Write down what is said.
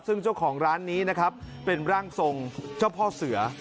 ซึ่งเจ้าของร้านนี้นะครับเป็นร่างทรงเจ้าพ่อเสือ